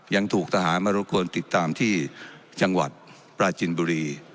ยังถูกทหารมารบกวนติดตามที่จังหวัดปราจินบุรี